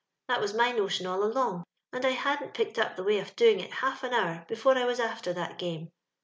That waa my notion all along, and I hadnt picked np the my of doing it half an hoar befine I waa after that game.